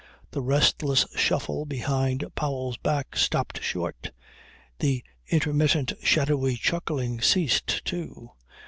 The restless shuffle behind Powell's back stopped short, the intermittent shadowy chuckling ceased too.